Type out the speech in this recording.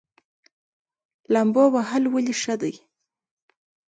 لامبو وهل ولې ښه دي؟